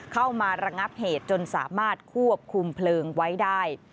เข้ามาระงับเหตุจนสามารถควบคุมเพลิงไว้ได้